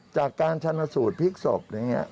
จากการชั้นสูตรพลิกศพ